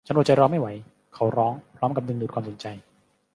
ฉันอดใจรอไม่ไหวเขาร้องพร้อมกับดึงดูดความสนใจ